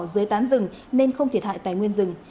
dưới tán rừng nên không thiệt hại tài nguyên rừng